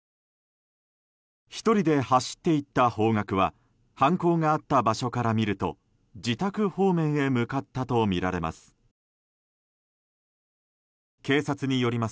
１人で走っていった方向は犯行があった場所から見ると自宅方面へ向かったとみられます。